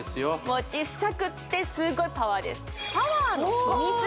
もう小さくってすごいパワーです